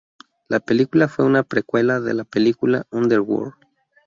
La película fue una precuela de la película Underworld.